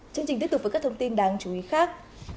chương trình tiếp tục với các thông tin đáng chú ý khác